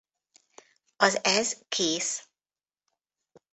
Az Ez kész!